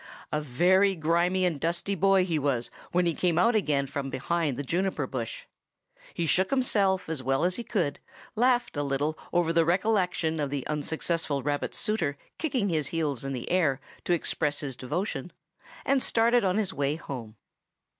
A very grimy and dusty boy he was when he came out again from behind the juniper bush. He shook himself as well as he could, laughed a little over the recollection of the unsuccessful rabbit suitor kicking his heels in the air to express his devotion, and started on his way home.